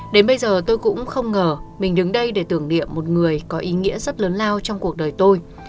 đến bây giờ tôi cũng không ngờ mình đứng đây để tưởng niệm một người có ý nghĩa rất lớn lao trong cuộc đời tôi